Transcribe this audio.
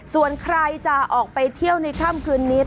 ส่วนใครจะออกไปเที่ยวในค่ำคืนนี้